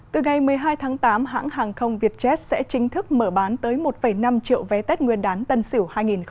từ ngày một mươi hai tháng tám hãng hàng không vietjet sẽ chính thức mở bán tới một năm triệu vé tết nguyên đán tân sỉu hai nghìn hai mươi một